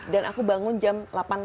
dan aku bangun jam delapan sembilan